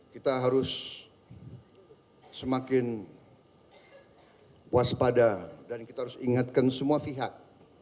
kita harus semakin waspada dan kita harus ingatkan semua pihak